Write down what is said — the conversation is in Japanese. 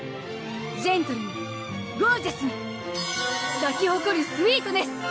ジェントルにゴージャスに咲き誇るスウィートネス！